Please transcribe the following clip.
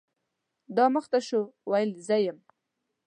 دا مخ ته شوه ، ویل زه یم .